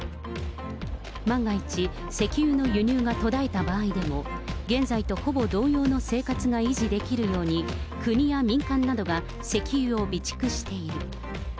万が一、石油の輸入が途絶えた場合でも、現在とほぼ同様の生活が維持できるように、国や民間などが石油を備蓄している。